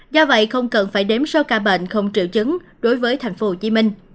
do vậy không cần phải đếm số ca bệnh không triệu chứng đối với tp hcm